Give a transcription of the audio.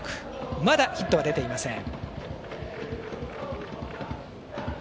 まだ、ヒットは出ていません。